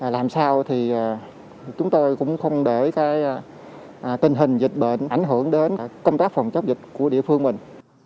làm sao thì chúng tôi cũng không để tình hình dịch bệnh ảnh hưởng đến công tác phòng chống dịch của địa phương mình